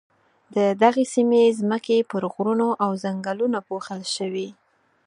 د دغې سیمې ځمکې پر غرونو او ځنګلونو پوښل شوې.